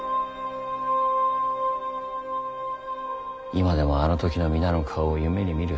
今でもあの時の皆の顔を夢に見る。